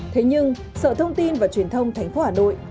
thế nhưng sở thông tin và truyền thông thành phố hà nội